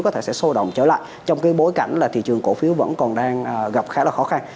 có thể sẽ sôi động trở lại trong cái bối cảnh là thị trường cổ phiếu vẫn còn đang gặp khá là khó khăn